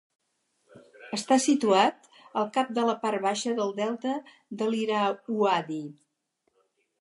Està situat al cap de la part baixa del delta de l'Irauadi.